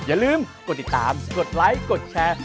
อย่าลืมกดติดตามกดไลค์กดแชร์